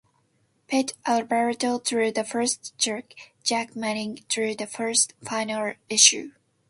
Pete Alvarado drew the first three; Jack Manning drew the final issue.